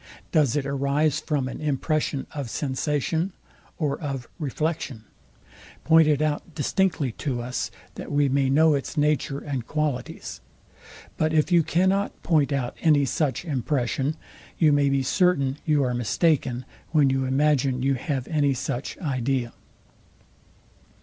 Does it arise from an impression of sensation or of reflection? Point it out distinctly to us, that we may know its nature and qualities. But if you cannot point out any such impression, you may be certain you are mistaken, when you imagine you have any such idea.